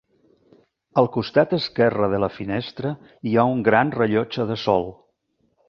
Al costat esquerre de la finestra hi ha un gran rellotge de sol.